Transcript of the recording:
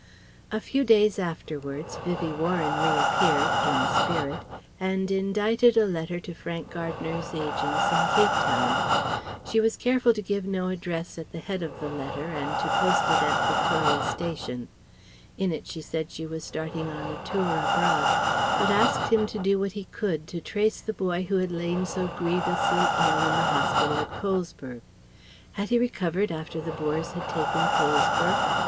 A few days afterwards, Vivie Warren reappeared in spirit and indited a letter to Frank Gardner's agents in Cape Town. She was careful to give no address at the head of the letter and to post it at Victoria Station. In it she said she was starting on a tour abroad, but asked him to do what he could to trace the boy who had lain so grievously ill in the hospital at Colesberg. Had he recovered after the Boers had taken Colesberg?